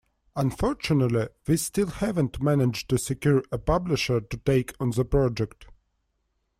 Unfortunately we still haven't managed to secure a publisher to take on the project.